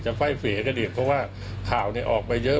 จะไฟ่ฝีกกันอีกเพราะว่าข่าวนี่ออกไปเยอะ